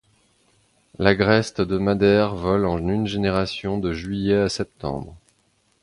L'Agreste de Madère vole en une génération de juillet à septembre.